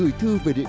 quận hoàn kiến